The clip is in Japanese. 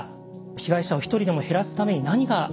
被害者を一人でも減らすために何ができるのか。